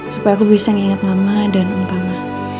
supaya aku bisa mengingat mama dan om tama